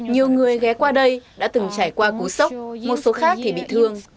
nhiều người ghé qua đây đã từng trải qua cú sốc một số khác thì bị thương